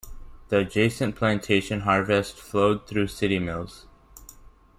The adjacent plantation harvests flowed through city mills.